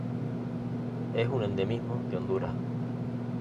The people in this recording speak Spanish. Es un endemismo de Honduras.